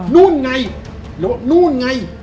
นู้นไง